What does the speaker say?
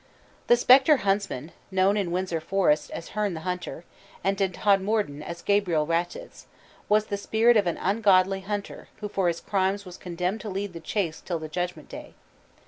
The Spectre Huntsman, known in Windsor Forest as Herne the Hunter, and in Todmorden as Gabriel Ratchets, was the spirit of an ungodly hunter who for his crimes was condemned to lead the chase till the Judgment Day.